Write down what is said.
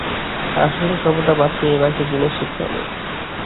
আর আসলটা সর্বদা বাঁচিয়ে বাকী জিনিষ শিখতে হবে।